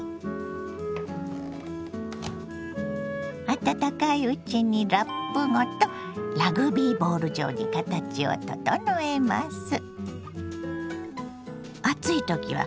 温かいうちにラップごとラグビーボール状に形を整えます。